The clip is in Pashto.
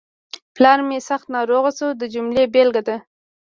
پلار مې سخت ناروغ شو د جملې بېلګه ده.